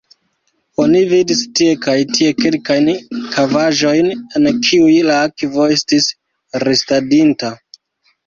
Oni vidis tie kaj tie kelkajn kavaĵojn, en kiuj la akvo estis restadinta.